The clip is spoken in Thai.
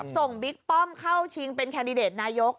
บิ๊กป้อมเข้าชิงเป็นแคนดิเดตนายก